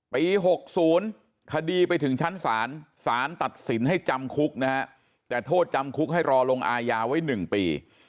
ปี๖๐คดีไปถึงชั้นศาลศาลตัดสินให้จำคุกนะฮะแต่โทษจำคุกให้รอลงอายาไว้๑ปี